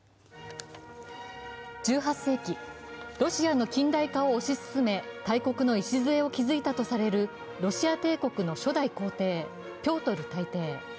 １８世紀、ロシアの近代化を推し進め大国の礎を築いたとされるロシア帝国の初代皇帝・ピョートル大帝。